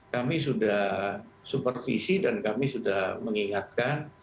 kami sudah supervisi dan kami sudah mengingatkan